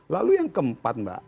lalu yang keempat mbak